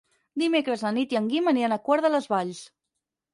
Dimecres na Nit i en Guim aniran a Quart de les Valls.